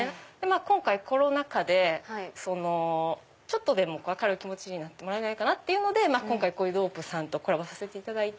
今回コロナ禍でちょっとでも明るい気持ちになってもらえないかというのでドープさんとコラボさせていただいて。